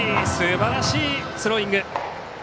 すばらしいスローイング。